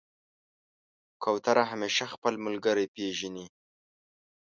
کوتره همیشه خپل ملګری پېژني.